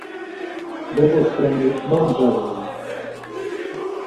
Bozoskani momçarei?